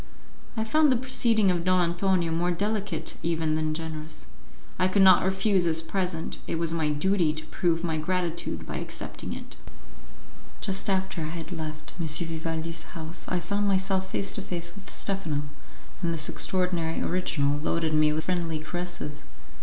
I found the proceeding of Don Antonio more delicate even than generous; I could not refuse his present; it was my duty to prove my gratitude by accepting it. Just after I had left M. Vivaldi's house I found myself face to face with Stephano, and this extraordinary original loaded me with friendly caresses.